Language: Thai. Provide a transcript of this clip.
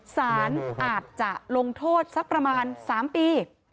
สารอาจจะลงโทษสักประมาณ๓ปี